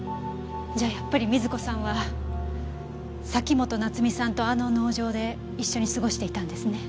じゃあやっぱり瑞子さんは崎本菜津美さんとあの農場で一緒に過ごしていたんですね。